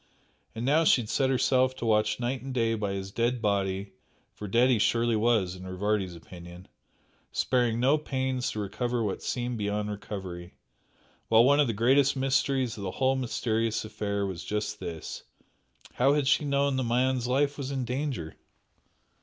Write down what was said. And now she had set herself to watch night and day by his dead body (for dead he surely was in Rivardi's opinion) sparing no pains to recover what seemed beyond recovery; while one of the greatest mysteries of the whole mysterious affair was just this How had she known the man's life was in danger?